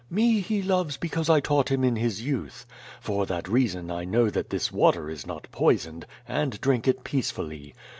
Me he loves because I taught him in his youth. For that reason I know that this water is not poisoned, and drink it peacefully.